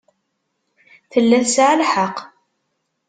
Tella tesɛa lḥeqq.